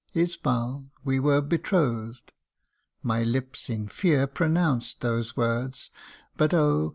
Isbal, we were betrothed ; my lips in fear Pronounced those words but oh